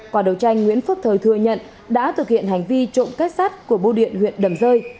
quả đầu tranh nguyễn phước thời thừa nhận đã thực hiện hành vi trộm kết sắt của bưu điện huyện đầm rơi